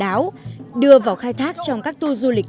hát xoan là một sản phẩm đáo đưa vào khai thác trong các tour du lịch